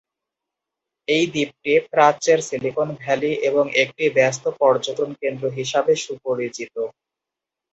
এই দ্বীপটি "প্রাচ্যের সিলিকন ভ্যালি" এবং একটি ব্যস্ত পর্যটন কেন্দ্র হিসাবে সুপরিচিত।